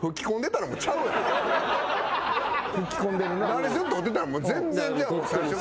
ナレーションとってたら全然ちゃうもん。